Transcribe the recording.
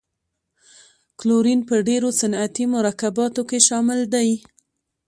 کلورین په ډیرو صنعتي مرکباتو کې شامل دی.